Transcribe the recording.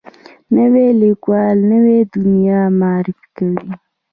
نوی لیکوال نوې دنیا معرفي کوي